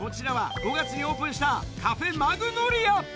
こちらは５月にオープンした、カフェマグノリア。